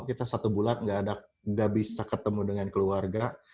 kita satu bulan nggak bisa ketemu dengan keluarga